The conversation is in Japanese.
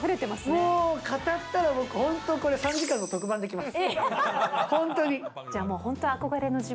もう語ったら僕、本当、これ、３時間の特番出来ます。